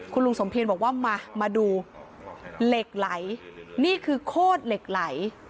คุณลุงสมเพียรบอกว่ามามาดูเหล็กไหลนี่คือโคตรเหล็กไหล